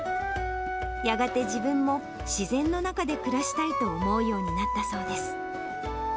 やがて自分も自然の中で暮らしたいと思うようになったそうです。